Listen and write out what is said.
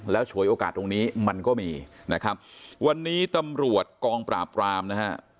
แล้วฉวยโอกาสตรงนี้มันก็มีนะครับวันนี้ตำรวจกองปราบรามนะฮะ